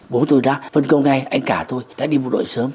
bố tôi đã phân công ngay anh cả tôi đã đi bộ đội sớm